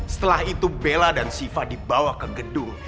setelah itu bella dan siva dibawa ke gedung